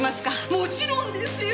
もちろんですよ。